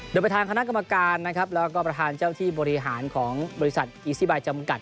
โดยประธานคณะกรรมการนะครับแล้วก็ประธานเจ้าที่บริหารของบริษัทอีซีบายจำกัด